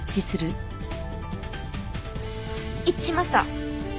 一致しました。